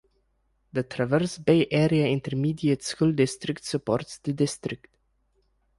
The Traverse Bay Area Intermediate School District supports the district.